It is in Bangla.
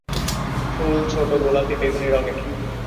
ফুল ছোট, গোলাপী-বেগুনি রঙের।